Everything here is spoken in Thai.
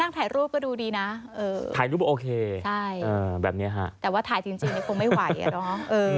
ถ่ายรูปโอเคแบบนี้ฮะแต่ว่าถ่ายจริงนี่คงไม่ไหวเนี่ยเนาะ